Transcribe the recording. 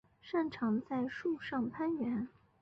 擅长在树上攀援。